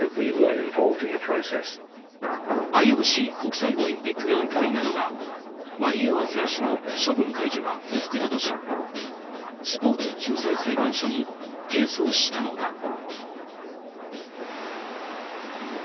ＩＯＣ・国際オリンピック委員会などがワリエワ選手の処分解除が不服だとしスポーツ仲裁裁判所に提訴したのだ。